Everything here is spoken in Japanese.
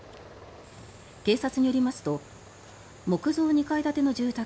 警察によりますと木造２階建ての住宅